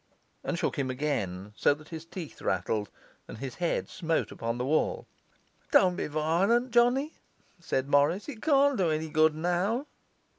And shook him again, so that his teeth rattled and his head smote upon the wall. 'Don't be violent, Johnny,' said Morris. 'It can't do any good now.